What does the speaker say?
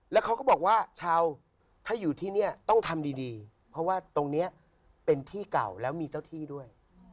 แล้วเขาก็บอกว่าชาวถ้าอยู่ที่นี่ต้องทำดีเพราะว่าตรงนี้เป็นที่เก่าแล้วมีเจ้าที่ด้วย